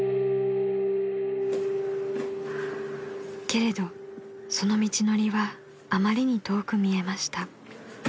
［けれどその道のりはあまりに遠く見えました］